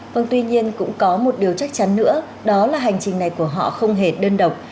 vâng tuy nhiên cũng có một điều chắc chắn nữa đó là hành trình này của họ không hề đơn độc